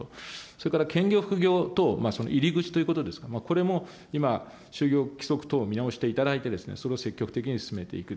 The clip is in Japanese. それから兼業、副業等、入り口ということですが、これも今、就業規則等を見直していただいて、それを積極的に進めていく。